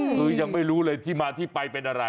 คือยังไม่รู้เลยที่มาที่ไปเป็นอะไร